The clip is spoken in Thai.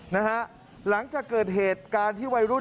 หลังจากเกิดเหตุการณ์ที่วัยรุ่น